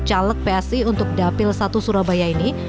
caleg psi untuk dapil satu surabaya ini